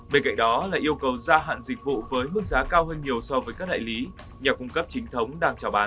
bên cạnh đó là yêu cầu gia hạn dịch vụ với mức giá cao hơn nhiều so với các đại lý nhà cung cấp chính thống đang trào bán